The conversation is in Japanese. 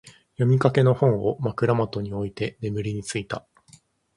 読みかけの本を、枕元に置いて眠りについた。